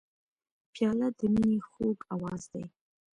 پیاله د مینې خوږ آواز لري.